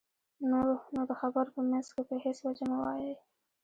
نو د خبرو په منځ کې په هېڅ وجه مه وایئ.